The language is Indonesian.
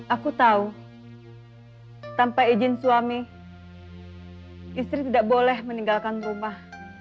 aku tahu tanpa izin suami istri tidak boleh meninggalkan rumah